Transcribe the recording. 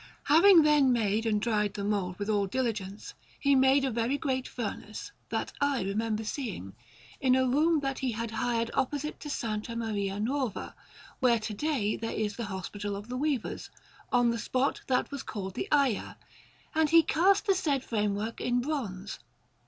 Having then made and dried the mould with all diligence, he made a very great furnace (that I remember seeing) in a room that he had hired opposite to S. Maria Nuova, where to day there is the Hospital of the Weavers, on the spot that was called the Aia, and he cast the said framework in bronze.